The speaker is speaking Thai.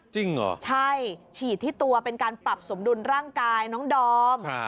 จริงเหรอใช่ฉีดที่ตัวเป็นการปรับสมดุลร่างกายน้องดอม